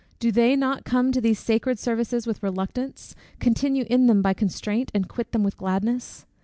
Do they not come to these sacred services with reluctance, continue in them by constraint, and quit them with gladness?